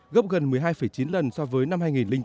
gấp gần một mươi hai chín lần so với năm hai nghìn bốn